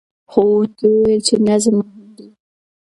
ښوونکي وویل چې نظم مهم دی.